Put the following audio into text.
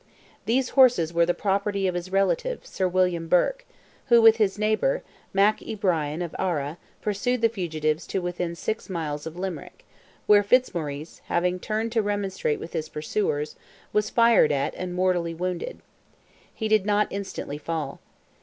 These horses were the property of his relative, Sir William Burke, who, with his neighbour, Mac I Brien of Ara, pursued the fugitives to within six miles of Limerick, where Fitzmaurice, having turned to remonstrate with his pursuers, was fired at and mortally wounded. He did not instantly fall.